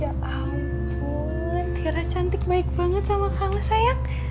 ya ampun tiara cantik baik banget sama kamu sayang